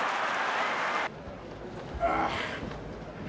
ああ。